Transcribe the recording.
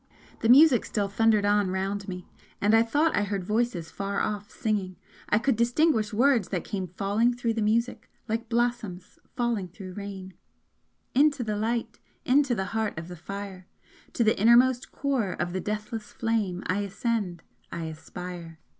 The music still thundered on round me and I thought I heard voices far off singing I could distinguish words that came falling through the music, like blossoms falling through rain: Into the Light, Into the heart of the fire! To the innermost core of the deathless flame I ascend I aspire!